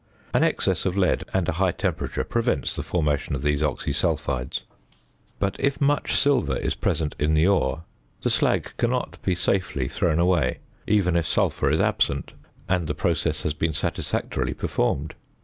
An excess of lead and a high temperature prevents the formation of these oxysulphides. But if much silver is present in the ore, the slag cannot be safely thrown away, even if sulphur is absent, and the process has been satisfactorily performed.